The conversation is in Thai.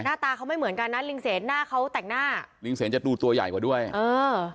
หน้าตาเขาไม่เหมือนกันนะลิงเสนหน้าเขาแต่งหน้าลิงเสนจะดูตัวใหญ่กว่าด้วยเออ